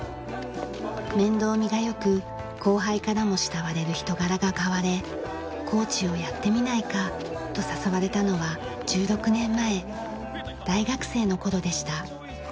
面倒見が良く後輩からも慕われる人柄が買われコーチをやってみないか？と誘われたのは１６年前大学生の頃でした。